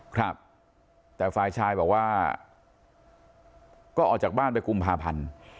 ครับแต่ฝ่ายชายบอกว่าก็ออกจากบ้านไปกุมภาพันธ์